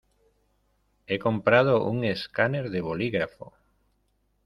He comprado un escáner de bolígrafo.